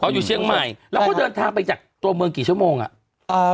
อยู่เชียงใหม่แล้วก็เดินทางไปจากตัวเมืองกี่ชั่วโมงอ่ะเอ่อ